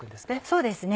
そうですね。